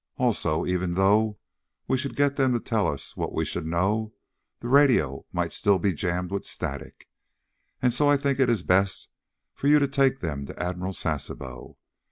Also, even though we should get them to tell us what we should know, the radio might still be jammed with static. And so I think it is best for you to take them to Admiral Sasebo.